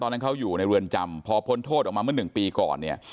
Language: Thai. ตอนนั้นเขาอยู่ในเรือนจำพอพ้นโทษออกมาเมื่อหนึ่งปีก่อนเนี่ย